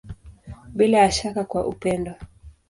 Bila ya shaka kwa upendo.